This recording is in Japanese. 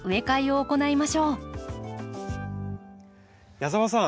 矢澤さん